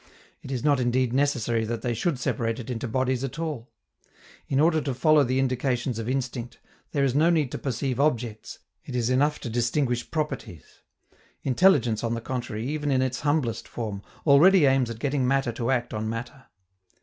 It is not indeed necessary that they should separate it into bodies at all. In order to follow the indications of instinct, there is no need to perceive objects, it is enough to distinguish properties. Intelligence, on the contrary, even in its humblest form, already aims at getting matter to act on matter.